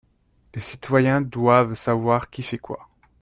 Les citoyens doivent savoir qui fait quoi